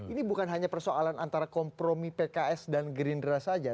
ini bukan hanya persoalan antara kompromi pks dan gerindra saja